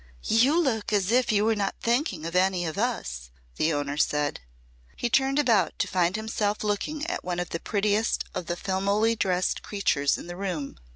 "You look as if you were not thinking of any of us," the owner said. He turned about to find himself looking at one of the prettiest of the filmily dressed creatures in the room.